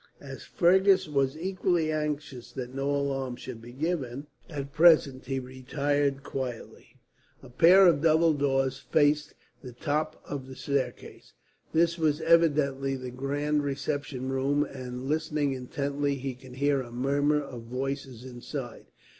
As Fergus was equally anxious that no alarm should be given, at present, he retired quietly. A pair of double doors faced the top of the staircase. This was evidently the grand reception room and, listening intently, he could hear a murmur of voices inside.